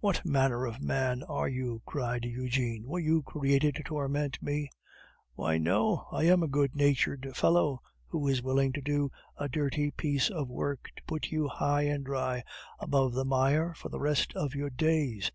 "What manner of man are you?" cried Eugene. "Were you created to torment me?" "Why no; I am a good natured fellow, who is willing to do a dirty piece of work to put you high and dry above the mire for the rest of your days.